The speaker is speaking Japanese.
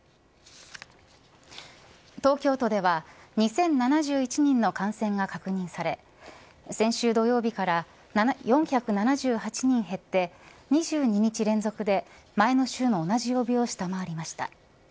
東京都では２０７１人の感染が確認され先週土曜日から４７８人減って、２２日連続で前の週の同じ曜日を下回りました。